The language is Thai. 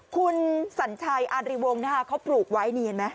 คุณสัญชัยอาริวงศ์นะคะเขาปลูกไว้นี่เห็นไหม